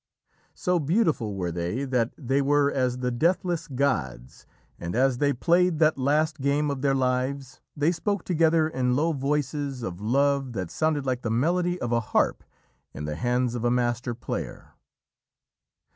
So beautiful were they, that they were as the deathless gods, and as they played that last game of their lives, they spoke together in low voices of love that sounded like the melody of a harp in the hands of a master player.